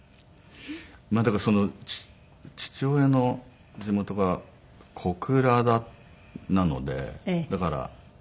まあだからその父親の地元が小倉なのでだからまあね